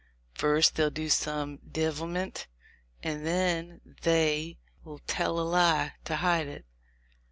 First they'll do some divilment, and then they'll tell a lie to hide it.